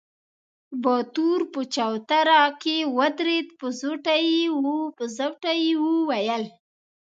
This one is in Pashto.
باتور په چوتره کې ودرېد، په زوټه يې وويل: